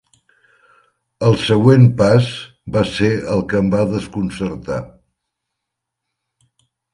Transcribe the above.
El següent pas va ser el que em va desconcertar.